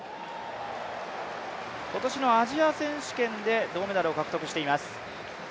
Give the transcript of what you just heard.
今年のアジア選手権で、銅メダルを獲得しています。